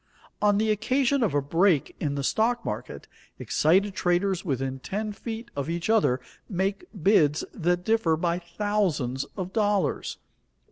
On the occasion of a break in the stock market, excited traders within ten feet of each other make bids that differ by thousands of dollars.